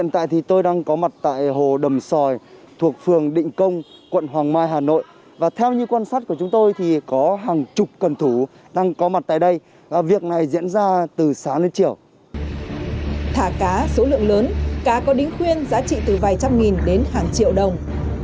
thả cá số lượng lớn cá có đính khuyên giá trị từ vài trăm nghìn đến hàng triệu đồng